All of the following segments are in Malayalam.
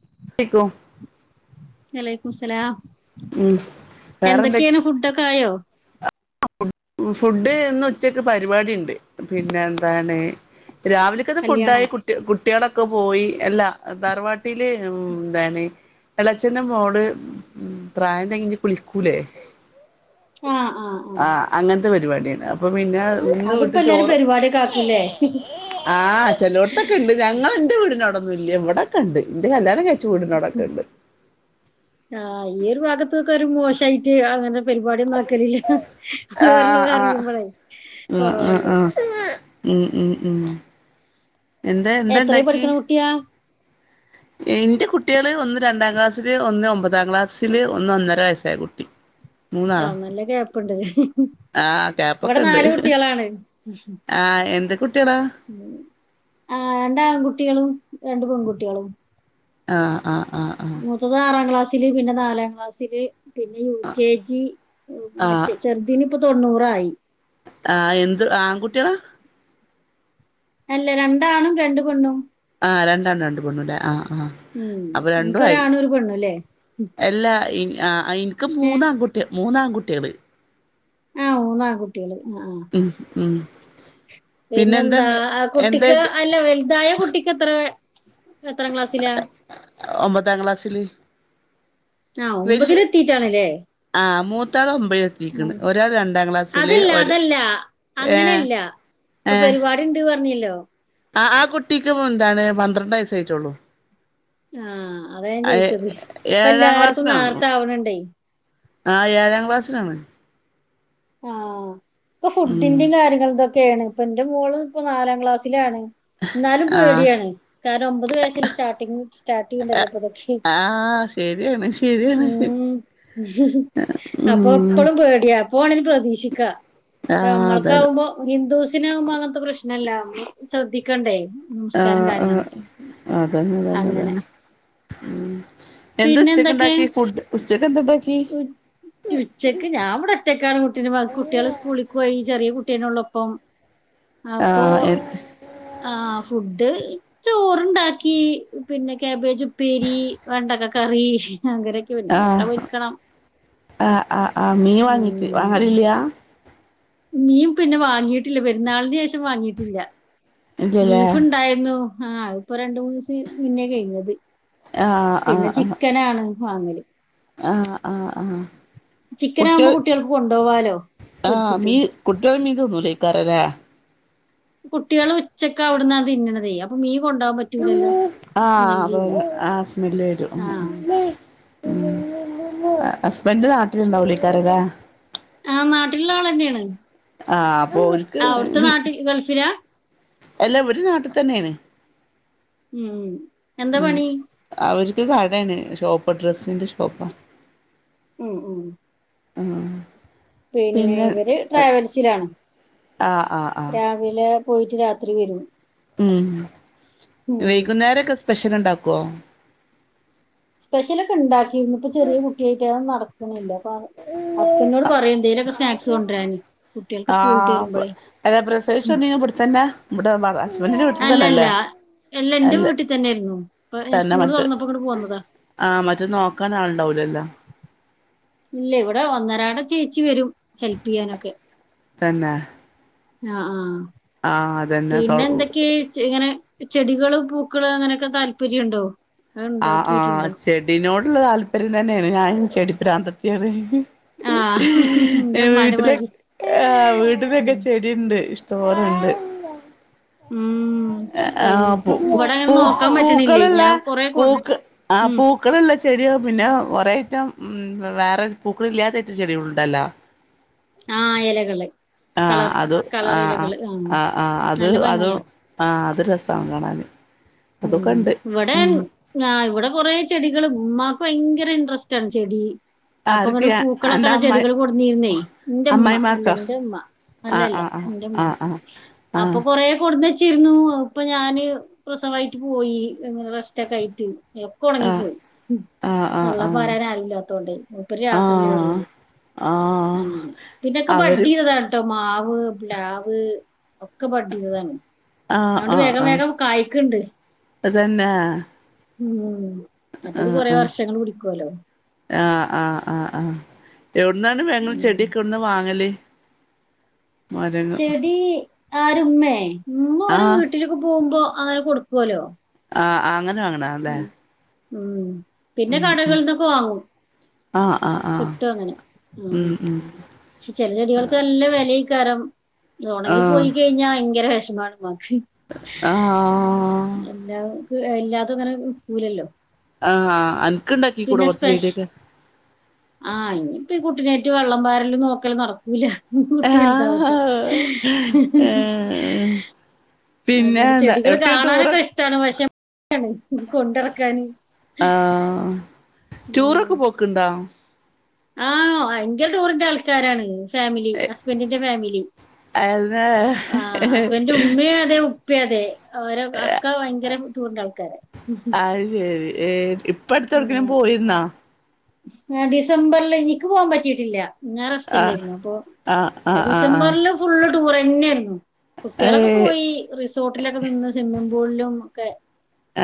[inaudible] വലൈക്കും ഇസ്ലാം ഉം വേറെന്തെ എന്തൊക്കെയാണ് ഫുഡൊക്കെ ആയോ ഫുഡ് ഇന്ന് ഉച്ചക്ക് പരിപാടി ഉണ്ട് പിന്നെ എന്താണ് രാവിലക്കത് ഫുഡ് കല്യാണം ആയി കുട്ടി കുട്ടികളൊ ഒക്കെ പോയി എല്ലാ തറവാട്ടിൽ ഉം എന്താണ് എളയഛന്റെ മോള് പ്രായം തെങ്ങി കുളിക്കൂലേ ആഹ് ആഹ് ആ അങ്ങനത്തെ പരിപാടിയാണ് അപ്പോം പിന്നെ ഇന്ന് വീട്ട് അതിപ്പോ എല്ലാരും ചോറ് പരിപാടിയൊക്കെ ആക്കൂല്ലേ ആഹ് ചെല്ലോടത്തൊക്കെ ഉണ്ട് ഞങ്ങള് ന്റെ വീടിനവിട എവിടൊക്കെണ്ട് ന്റെ കല്യാണം കഴി ആഹ് ഏതു ഭാഗത്ത ഒരു മോശായിട്ട് അങ്ങനെ പരിപാടിയ ഒന്നും ആക്കലില്ല ആ വേറള്ളൊരു ആ അറിയുമ്പളേ ആ ആ കൊറവല്ലേ ആ ആ ഉം ഉം ഉം എന്താ എന്താ എത്രേ ഇണ്ടാക്കി പഠിക്കണ കുട്ടിയാ എന്റെ കുട്ടികള് ഒന്ന് രണ്ടാം ക്ലാസ്സില് ഒന്ന് ഒമ്പതാം ക്ലാസ്സില് ഒന്ന് ഒന്നര വയസ്സായ കുട്ടി മൂന്നാളാ ആഹഹ് നല്ല ഗ്യാപ്പുണ്ട് ആഹ് ഗ്യാപ്പൊക്കെ ഇവിടെ ഉണ്ട് നാല് കുട്ടികളാണ് ആഹ് എന്ത് കുട്ടികളാ ഉം ആ രണ്ട് ആൺ കുട്ടികളും രണ്ട് പെൺകുട്ടികളും ആഹ് ആഹ് ആഹ് ആഹ് മൂത്തത് ആറാം ക്ലാസ് പിന്നെ നാലാം ക്ലാസില് പിന്നെ യു കെ ജി മറ്റേ ചെറുതിനു ഇപ്പ തൊണ്ണൂർ ആയി ആ എന്ത് ആൺകുട്ടിയളാ അല്ല രണ്ടാണും രണ്ട് പെണ്ണും ആ രണ്ട് ആണും രണ്ട് പെണ്ണൂല്ലേ ആ ആ ഉം അപ്പൊ രണ്ടും ആയി നിങ്ങക്കൊരാണും ഒരു പെണ്ണും അല്ലേ എല്ലാ ഈ ആ എനിക്ക് ഏഹ് മൂന്ന് ആൺ കുട്ടി മൂന്ന് കുട്ടികള് ആഹ് മൂന്ന് ആൺ കുട്ടികൾ ഉം ഉം പിന്നെ പിന്നെന്താ എന്താണ് ആ കുട്ടിക്ക് എന്തായിട്ട് അല്ല വലുതായ കുട്ടിക്ക് എത്ര എത്രാം ക്ലാസ്സിലാ ഒമ്പതാം ക്ലാസ്സില് ആഹ് ഒമ്പതിൽ എത്തിയിട്ടേ ഉള്ളൂ ലെ മൂത്താളും ഉം അതല്ല ഒര് അതല്ല ഏഹ് അങ്ങനെയല്ല ഇപ്പൊ ഏഹ് പരിപാടിയുണ്ടെന്ന് പറഞ്ഞല്ലോ ആ ആ കുട്ടിക്ക് എന്താണ് പന്ത്രണ്ട് വയസ്സ് ആയിട്ടോള്ളു ആഹ് അത ഞാൻ ചോദിച്ചത് ഇപ്പോ ഏഴാം എല്ലാർക്കും ക്ലാസ്സിലാണ് നേരത്തെ ആകുന്നുണ്ട് ആ ഏഴാം ക്ലാസ്സിലാണ്. ആ ഉം ഫുഡിന്റെയും കാര്യങ്ങളൊക്കെ ഒക്കെയാണ് ഇപ്പൊ എന്റെ മോളും ഇപ്പൊ നാലാം ക്ലാസ്സിലാണ്. എന്നാലും ആഹ് പേടിയാണ് കാരണം ഒമ്പത് വയസ്സിൽ സ്റ്റാർട്ടിങ് സ്റ്റാർട്ടിണ്ടല്ല ആഹ് ശരിയാണ് ശരിയാണ് ഉം അപ്പൊ ഉം ഇപ്പഴും പേടിയാ പോണത് പ്രതീക്ഷിക്കാം ആഹ് അതെ അതെ നമ്മൾക്കാവുമ്പോ ഹിന്ദൂസ് അച്ഛനകോ അങ്ങനത്തെ പ്രശ്നമല്ല ശ്രദ്ധിക്കണ്ടേ ആ നമസ്കാരം ആ കാര്യങ്ങളൊക്കെ ആ തന്നെ തന്നെ അങ്ങനെ തന്നെ ഉം എന്താ ഉച്ചക്ക് ഉണ്ടാക്കി ഫുഡ് ഉച്ചക്ക് എന്താ ഉണ്ടാക്കി ഉച്ചയ്ക്ക് ഞാൻ ഇവിടെ ഒറ്റയ്ക്കാണ് കുട്ടികൾ സ്കൂളിക്ക് പോയി ചെറിയ കെട്ടിയവൻ ഉള്ളപ്പോ അപ്പോ ആഹ് ആ ഫുഡ് ചോറുണ്ടാക്കി പിന്നെ കാബേജ് ഉപ്പേരി വെണ്ടക്കക്കറി ആ ആ ആ മീൻ ഉം. വാങ്ങാറില്ല മീൻ പിന്നെ വാങ്ങിട്ടില്ല പെരുന്നാളിന് ശേഷം വാങ്ങിട്ടില്ല ഇല്ലല്ലേ ബീഫ് ഉണ്ടായിരുന്നു. ആ ഇപ്പൊ രണ്ട മൂന്ന് ദിവസം മുന്നേ കഴിഞ്ഞത്. ആ ആ ആ വാങ്ങൽ ആ ആ ആ ചിക്കനാകുമ്പോ കുട്ടികൾ കുട്ടികൾക്ക് കൊണ്ടുപോവാലോ ആ പൊരിച്ചിട്ട് മീൻ കുട്ടികൾ മീൻ കഴിക്കാറില്ലേ കുട്ടികള് ഉച്ചക്ക് അവ്ട്ന്നാ തിന്ന്ണതേ അപ്പൊ മീം ആ അതവര് ആ സ്മെല്ല് വരും. ആ ഉം ഹസ്ബൻറ് നാട്ടിലുണ്ടാവുലൈക്കാരല്ലാ ആ നാട്ടിലുള്ള ആളെന്നേണ്. ആ ആ അവിടുത്തെ നാട്ടിൽ ഗൾഫിലാ അല്ല ഇവിടെ നാട്ടി തന്നേണ്. ഉം എന്താ പണി ഒരു കടേണ് ഷോപ്പ് ഡ്രസ്സിന്റെ ഷോപ്പാ ഉം ഉം ആ പിന്നെ ഇവര് ട്രാവൽസിലാണ് ആഹ് ആഹ് ആഹ് രാവിലെ പോയിട്ട് രാത്രി വരും ഉം ഉം വൈകുന്നേരൊക്കെ സ് പെഷ്യൽ ഉണ്ടാക്കോ സ്പെഷ്യൽ ഒക്കെ ഉണ്ടാകി - ഇന്നിപ്പോ ചെറിയ കുട്ടിയായിട്ട് അതൊന്നും നട ക്ക്ണ്ല്ലാ പാവം ഹസ്ബന്റിനോട് പറയും എന്തേലൊക്കെ സ്നാക്സ് കൊണ്ടരാന് കുട്ടികൾക്ക് സ്കൂൾ വിട്ടു ആഹ് വരുമ്പോഴേ അല്ല ഹസ്ബൻറ്റിന്റെ വീട്ടി അല്ലല്ല തന്നല്ലേ അല്ല എന്റെ അല്ലെ വീട്ടിൽ തന്നെയായിരുന്നു ഇപ്പൊ ഞാൻ തന്നെ സ്കൂള് മറ്റെ തുറന്നപ്പോ ഇങ്ങോട്ട് പോന്നതാ ആഹ് മറ്റെ നോക്കാൻ ആളുണ്ടാവുലല്ലോ ഇല്ല ഇവിടെ ഒന്നരാടം ചേച്ചി വരും ഹെൽപ് ചെയ്യാനൊക്കെ തന്നാ ആഹ് ആഹ് തൊ പിന്നെ എന്തൊക്കെയ് ഇങ്ങനെ ചെടികള് പൂക്കള് അങ്ങനെക്കെ താല്പര്യം ഒണ്ടോ ആഹ് ആഹ് ചെടിനോ ട്ള്ള താല്പര്യം തന്നെയാണ് ഞാൻ ചെടി പ്രാന്തത്തിയാണ് ആ എന്റെ ഉമ്മാന്റെ വീട്ടില് മാതിരി ആഹ് വീട്ടിലൊക്കെ ചെടിണ്ട് ഇഷ് തോനെണ്ട് ഉം ആ എനിക്ക് ഇവിടെ അങ്ങനെ നോക്കാൻ പറ്റണില്ലേ പൂക്കളല്ല ഞാൻ കൊറേ കൊ പൂക്ക ആ ഉം പൂക്കളല്ല ചെടികൾ പിന്നെ കൊറേ റ്റം ഉം വേറൊരു പൂക്കളില്ലാത്ത ചെടികള് ഉണ്ടാല ആഹ് എലകള് ആഹ് അത് ആഹ് ആഹ് ആഹ് ആഹ് അത് നല്ല അത് ഭംഗിയാ ആഹ് അത് രസാണ് കാണാന് ഉം അതൊക്കെണ്ട് ഇവിടെ ഉം ആഹ് ഇവിടെ കൊറേ ചെടികള് ഉമ്മാ ക്ക് ഭയങ്കര ഇൻട്രസ്റ്റാണ് ചെടി അപ്പൊ ഇങ്ങട്ട് ആർക്ക് പൂക്കളൊക്കെ അന്റെ ള്ള അമ്മായി ചെടികള് കൊണ്ടുന്നിരുന്നേ എൻറ്റുമ്മ അല്ല അമ്മായിമാക്കോ എൻറ്റുമ്മ അല്ല ആഹ് അല്ല ആഹ് എൻറ്റുമ്മ ആഹ് ആഹ് അപ്പൊ കൊറേ കൊണ്ട്ന്ന് ച്ചിരുന്നു ഇപ്പൊ ഞാന് പ്രസവായിട്ട് പോയിങ്ങനെ റസ്റ്റൊക്കെ ആയിട്ട് ഒക്കെ ആഹ് ഉണങ്ങിപ്പോയി ആഹ് ആഹ് ആഹ് വെള്ളം പാരൻ ആരുവില്ലാത്തോണ്ട് മുപ്പരി ആഹ് രാത്രിൽ ആഹ് വരുള്ളൂ ആഹ് അങ്ങനെ പിന്നൊക്കെ അവര് ബഡ്ചെയ്താട്ടോ മാവ്, പ്ലാവ് ഒക്കെ ബഡ് ചെയ്തതാണ്. അതുകൊണ്ട് വേഗം വേഗം കായ്കണണ്ട്. അതുതന്നെ ആ ഉം ആ മറ്റേത് കൊറേ ആ വർഷങ്ങള് പിടിക്കുവല്ലോ ആ ആ ആ ആ എവിടുന്നാണ് വെങ്ങ ഉം ചെടിയൊക്കെ എവിടുന്നാ വാങ്ങല്? മരങ്ങ ചെടി ആരുമ്മേ ഉമ്മ ഒരു ആഹ് വീട്ടിലേക്ക് പോകുമ്പോ അങ്ങനെ കൊടുക്കുവല്ലോ. ആ അങ്ങനെ വങ്ങണ അല്ലേ ഉം ഉം പിന്നെ ഉം ഉം കടകൾന്നൊക്കെ വാങ്ങും ആഹ് ആഹ് ആഹ് കിട്ടും അങ്ങനെ. ഉം പക്ഷെ ചെില ചെടികൾക്ക് നല്ല വില കാരം ഉണങ്ങി ആഹ് പോയി കഴിഞ്ഞാ ഭയങ്ക വെഷ ഇന്നാണ് മനുഷ്യൻ ആഹ് എല്ലാം [unintelligible] അങ്ങനെ പൂ ഇല്ലല്ലോ. ആ ആനക്ക് ഇണ്ടാക്കി കൂടെ കുറച്ചു ചടിയൊക്കെ ആ ഇനിയിപ്പ ഈ കുട്ടിനെേറ്റു വെള്ളം പാരൽ നോക്കല് നടക്കൂല്ല. ഇനി കുട്ടി വലുതാവട്ടെ പിന്നെ അങ്ങനെ എന്താ ചെടികള് എവിടക്ക ടൂറ കാണാനൊക്കെ ഇഷ്ടമാണ് പ പക്ഷെ [unintelligible] കൊണ്ടറക്കാന് ആ ഉം ടൂറൊക്കെ പോക്കുണ്ടോ ആ ഭയങ്കര ടൂറിന്റാൾക്കാരാണ്. ഫാമിലി ഹസ്ബൻഡിന്റെ ഫാമിലി അത ആ ഹസ്ബൻഡന്റെ ഉമ്മയും അതെ ഉപ്പ പ്പ അതെ ഓരോ അക്ക ഭയങ്കര ടൂറിന്റെ ആൾക്കാരാ അത് ശരി ഏ ഇപ്പ അടുത്തെടക്കിനും ഇങ്ങനെ. പോയിരുന്നാ? ഡിസംബറിൽ എനിക്ക് പോവാൻ പറ്റിയിട്ടില്ല ഞാ ആ റസ്റ്റ്ല്ലായിരുനോ അപ്പൊ ആ ആ ആ ആ ഡിസംബറില് ഫുള്ള് ടൂർ ന്നെയായിരുന്നു ഏ കുട്ടികളൊക്കെ പോയി റിസോർട്ടിലൊക്കെ നിന്ന് [unintelligible] പുല്ലും ഒക്കെ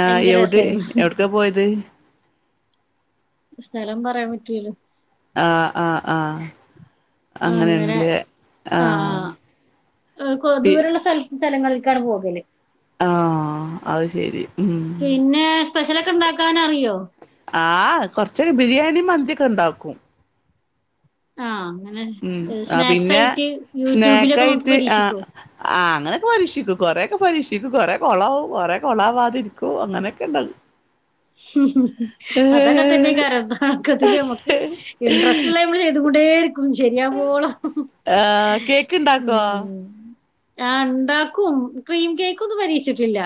ആ ഭയങ്കര എവിടെ രസമായിരുന്നു എവിടെക്കാ പോയത്? സ്ഥലം പറയാൻ പറ്റൂല്ല ആഹ് ആഹ് ആഹ് അങ്ങനെ അങ്ങനെണല്ലേ ആ ആഹ് ആ, കൊ- പി ദൂരെയുള്ള സ്ഥല സ്ഥലങ്ങളിലേക്കാണ് പോകല് ആഹ് അത് ശരി ഉം പിന്നെ സ്പെഷ്യലൊക്കെ ഉണ്ടാക്കാൻ അറിയോ? ആ കൊറച്ചൊക്കെ ബിരിയാണി മന്തിക്ക ഉണ്ടാക്കും. ആഹ് അങ്ങനെ ഉം ആ സ്നാക്സ് പിന്നെ ആയിട്ട് സ്നാക്ക് യൂട്യൂബിലൊക്കെ നോക്കി ആയിട്ട് ആ പരീക്ഷിക്കോ ആ അങ്ങനെ പരീക്ഷിക്കും കൊറേ ഒക്കെ പരീക്ഷിക്കും കൊറേ കൊളാവും കൊറേ കൊളാവാതിരിക്കും അങ്ങനെയൊക്കെ ഇണ്ടവും അതൊക്കെ തന്നെ കാരംതക്കതിൽ നമക്ക് ഇൻട്രസ്റ്റ്ല്ല്മള് ചെയ് [unintelligible] ശരിയാവോളം ആ കേക്ക് ഇണ്ടാക്കോ ഉം ആ ഉണ്ടാക്കും ക്രീം കേക്ക് ഒന്നും പരീക്ഷിച്ചിട്ടില്ല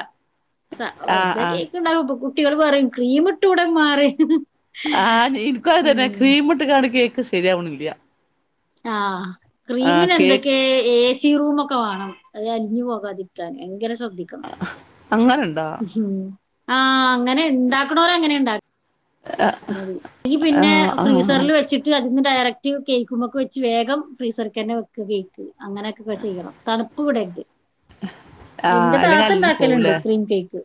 സ ആ വെറുതെ ആ കേക്ക്ണ്ടാക്കുംപ്പൊക്കു പറയും ക്രീമിട്ട്ഉടെമാറ് ആ എനിക്കു അതെന്നെ ക്രീമിട്ട്കാട്ട് കേക്ക് ശരിയാവിണ് ഇല്ല്യ ആ ക്രീമിന് എന്തൊക്കെ ഏസി ഏസിറൂമൊക്കെ വേണം അത് അലിഞ്ഞു പോകാതിരിക്കാൻ ഭയകര സ അ ആ അങ്ങനെ ഉം ആ അങ്ങനെ ണ്ടാക്ക്ണോര് അങ്ങനെയുണ്ട എനി ആ പിന്നെ ആ ഫ്രീസറിൽ വെച്ചിട്ട് അതിനെ ഡയറക്റ്റ് കേക്കുമ്പൊക്കെ വെച്ച് വേഗം ഫ്രീസർ തന്നെ വെക്കുക കേക്ക് അങ്ങനെയൊക്കെ ചെയ്യണം തണുപ്പ് വിടരുത് ആ എന്റെ അല്ലെങ്കി താത്ത അല്ലിഞ്ഞി ഉണ്ടാക്കലുണ്ട് പോവുലേ ക്രീം കേക്ക്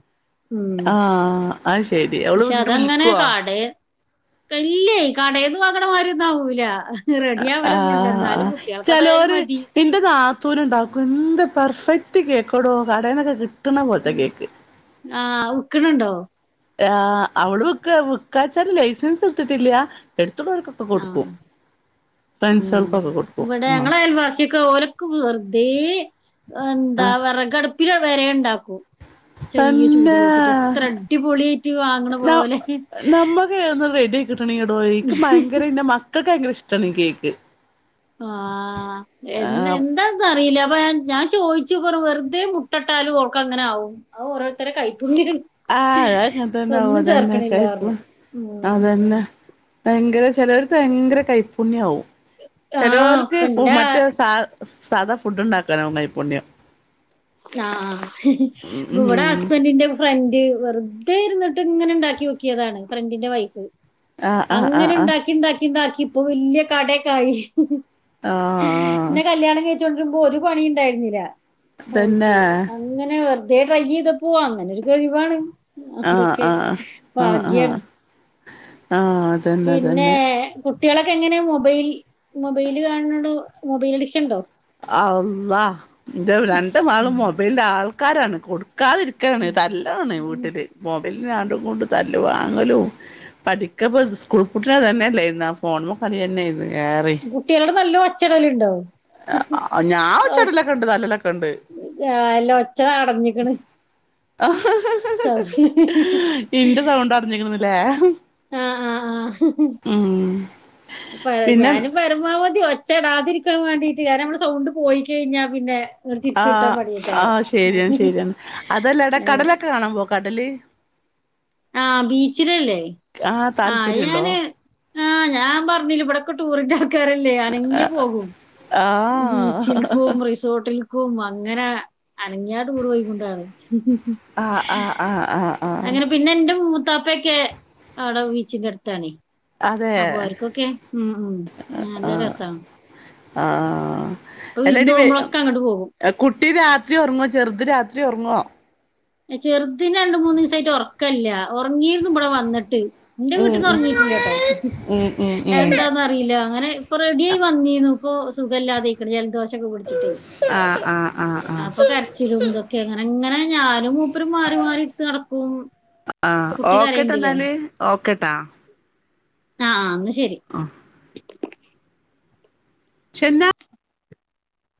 ഉം ആഅത് ശെരി അവള് പക്ഷെ വിണ്ട് അതങ്ങനെ വിൽക്കോ കടേ ഇല്ലേ കടയിന്ന് വാങ്ങണ മാതിരീ ഒന്നാവൂല ആ അതായാലും ചെലോര് മതി ഇന്റെ നാത്തൂന് ണ്ടാക്കും എന്ത് പർഫെക്റ്റ് കേക്ക്എടോ കടേന്നൊക്കെ കി കിട്ട്ണപോലെത്തെ കേക്ക് ക്ക്ണ് ണ്ടോ ആ അവളിക്ക് വീക്കാച്ചാല് ലൈസൻസ് എടുത്തിട്ടില്ല എടുത്തുള്ളോർക്കൊക്കെ ആഹ് കൊടുക്കും ഉം ഫ്രണ്ട്സുകൾക്കൊക്കെ കൊടുക്കും ഇവിടെ ആഹ് ഞങ്ങളടെ അയൽവാസി ഒക്കെ ഓലൊക്കെ വെറുതെ എന്താ ആഹ് വിറകടുപ്പില വരെ ഉണ്ടാ ചെറിയ ചൂട് തന്നേ വെച്ചിട്ട് എത്ര അടിപൊളിയായിട്ട് വാങ്ങണ ന പോലെ കണിയെടവഴിക്ക് ഭയങ്കര ഇനമ ക്കക്കൊ ഭയങ്കര ഇഷ്ടണീ കേക്ക് ആഹ് എന്നെ ആഹ് എന്താന്ന് അറിയില്ല അ ഞാൻ ചോദിച്ചു പറ വെറുതെ മുട്ടട്ടാലും ഓക്ക് അങ്ങനാവും അതോരോരുത്തരെ കയിവ ആഹ് അതങ്ങനെതന്നെ ആവും അതെന്നെ കഴ്പു ചേർക്കണില്ലാർഞ്ഞു ഉം അതന്നെ ഭങ്കര ചെലവർക്ക് ഭങ്കര കൈപ് പുണ്യാവും ആഹ് ചിലവര്ക്ക് ഫു ഇപ്പന്റെ മറ്റ് സ സാദാ ഫുഡ് ഉണ്ടാക്കാനാവും കൈപുണ്യം. ആ ഇവിടെ ഹസ്ബൻഡിന്റെ ഫ്രണ്ട് വെറുതെ ഇരുന്നിട്ട് ഇങ്ങനെ ഉണ്ടാക്കി നോക്കിയതാണ് ഫ്രണ്ടിന്റെ വൈഫ്. ആഹ് ആഹ് ആഹ് അങ്ങനെ ആഹ് ഉണ്ടാക്കി ഉണ്ടാക്കി ഉണ്ടാക്കി. ഇപ്പൊ വല്യ കടയക്കായി. ആഹ് എന്നെ കല്യാണം കഴി കൊണ്ടുവരുമ്പോ ഒരു പണിയും ഉണ്ടായിരുന്നില്ല. തന്നെ ഓൾക്ക് അങ്ങനെ വെറു അതേട്രൈ ചെയ്തപ്പോ അങ്ങനെ ഒരു കഴിവാണ് ആഹ് അതൊക്കെ ആഹ് ഭാഗ്യാണ്. ആ അത് തന്നെ അത് തന്നെ കുട്ടികളൊക്കെ എങ്ങനെയെ മൊബൈൽ മൊബൈല് കാണുന്നുണ്ടോ മൊബൈൽ അഡിക്ഷൻ ഉണ്ടോ അള്ളാ എൻ്റെ രണ്ട് മകളും മൊബൈലിന്റെ ആൾ- കാരാണ് കൊടുക്കാ- നിക്കാതിരിക്കയാണ് തല്ലാണ് വീട്ടില് മൊബൈൽ- രണ്ടും കൂടെ തല്ലു വാങ്ങലും പഠിക്ക സ്കൂൾ [unintelligible] തന്നെയല്ലായിരുന്നു ഫോണിമേ കളി തന്നൊയിരുന്നു കുട്ടികളോട് ന [unintelligible] ല്ലോ ഒച്ചയിടൽ ഉണ്ടോ ഞാൻ ഒച്ചയിടൽ ഒക്കെ ഉണ്ട് തല്ലലൊക്കെ ഉണ്ട് ആ, എല്ലാം ഒച്ച അടഞ്ഞിക്കണ് ആ സൗ- ഇന്റെ സൗണ്ട് അടഞ്ഞിരിക്കുന്നില്ലേ ഉം പിന്നെ ഞാന് പരമാവതി ഒച്ച- ഒച്ചേടാതിരിക്കാൻ വേണ്ടീട്ട് കാര്യം നമ്മള് സൗണ്ട് പോയി കഴിഞ്ഞാൽ പിന്നെ- ഇങ്ങട് തിരിച്ചു കിട്ടാൻ ആഹ് പണിയേക്കാരോ ആഹ് ശരിയാണ് ശരിയാണ് അതല്ലടാ കടലൊക്കെ കാണാൻ പോകുവോ കടല് ആ ബീച്ചിലല്ലേ ആഹ് ആ താല്പര്യണ്ടോ ഞാന് ആഹ് ഞാൻ പറഞ്ഞില്ലേ ഇവിടെക്കെ ടൂറിന്റെ ആൾക്കാരല്ലേ അനങ്ങിയാ പോകും ആഹ് ബീച്ചിൽക്കും റിസോർട്ടിൽ ക്കും കും അങ്ങന അനങ്ങിയാ ടൂറ് കൊണ്ടോയ് ആഹ് ആഹ് ആഹ് ആഹ ആഹ് മൂത്താപ്പക്കെ അവിട ബീച്ചി കിടുത്താണി അതെ അപ്പൊ അരുക്കൊക്കെ ഉം ഉം നല്ല രസാണ് ആഹ് ഇപ്പൊ വിരുന്ത് എല്ലാടി വേ പോകുമ്പോഴൊക്കെ അങ്ങട് പോകും കുട്ടി രാത്രി ഒറങ്ങോ ചെറുത് രാത്രി ഒറങ്ങോ? ചെറുതിന് രണ്ടു മൂന്ന് ദിവസായിട്ട് ഉറക്കല്ല. ഉറങ്ങിരുന്നു ഇവിടെ വന്നിട്ട് എന്റെ ഉം വീട്ടിന്ന് ഉം ഉറങ്ങിട്ടില്ല കേട്ടോ ഉം ഉം ഉം എന്താന്ന് അറിയില്ല അങ്ങനെ ഇപ്പൊ റെഡിയായി വന്നിരുന്നു. ഇപ്പോ സുഖവില്ലാതെ ഇരിക്കണ് ജലദോഷം. കുടിച്ചിട്ടേ ആഹ് ആഹ് ആഹ് ആഹ് അപ്പൊ കരച്ചിലും ഇതൊക്കെങ്ങനെ ഇങ്ങനെ ഞാനും മൂപ്പര് മാറി-മാറി ഇട്ടു നടക്കും ആഹ് കുട്ടി ഓക്കെട്ടാ കരയണ്ടില്ലേ? എന്നാല് ഓക്കെട്ടാ ആഹ് ആന്ന് ശരി ആഹ് ചെന്നാ